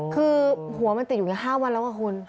คือหัวมันติดอยู่แค่๕วันแล้วอะคุณ